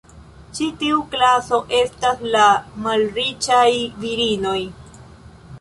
Ĉi tiu klaso estas la malriĉaj virinoj.